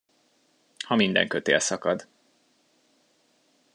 Ha minden kötél szakad.